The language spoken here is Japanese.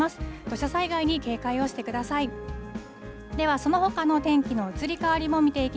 土砂災害に警戒をしてください。